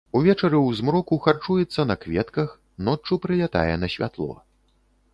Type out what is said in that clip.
Увечары ў змроку харчуецца на кветках, ноччу прылятае на святло.